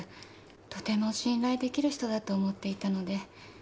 とても信頼できる人だと思っていたので。